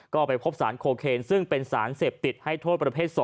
ก็ไปพบสารโคเคนซึ่งเป็นสารเสพติดให้โทษประเภท๒